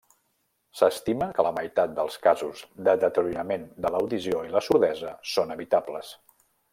S'estima que la meitat dels casos de deteriorament de l'audició i la sordesa són evitables.